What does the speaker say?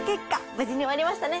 無事に終わりましたね。